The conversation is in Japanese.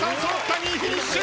２位フィニッシュ！